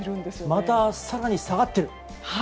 また更に下がっている。